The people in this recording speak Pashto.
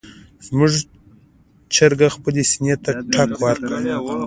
زموږ چرګه خپلې سینې ته ټک ورکوي.